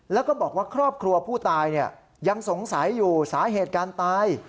แล้วก็บอกว่าครอบครัวผู้ตายยังสงสัยอยู่สาเหตุการตาย